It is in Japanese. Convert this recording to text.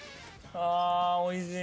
ああおいしい